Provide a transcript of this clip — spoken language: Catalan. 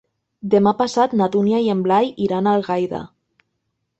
Demà passat na Dúnia i en Blai iran a Algaida.